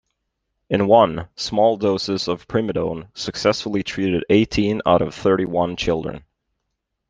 In one, small doses of primidone successfully treated eighteen out of thirty-one children.